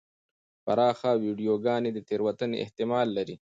پراخه ویډیوګانې د تېروتنې احتمال لري.